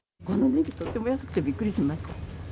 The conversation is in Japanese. このネギ、とっても安くてびっくりしました。